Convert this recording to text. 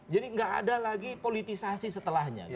jadi tidak ada lagi politisasi setelahnya